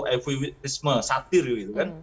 eviwisme satir itu kan